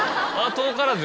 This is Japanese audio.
遠からず？